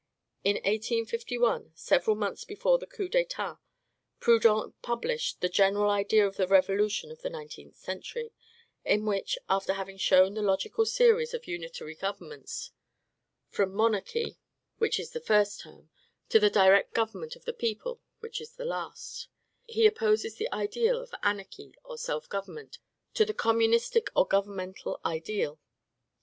In 1851, several months before the coup d'Etat, Proudhon published the "General Idea of the Revolution of the Nineteenth Century," in which, after having shown the logical series of unitary governments, from monarchy, which is the first term, to the direct government of the people, which is the last, he opposes the ideal of an archy or self government to the communistic or governmental ideal.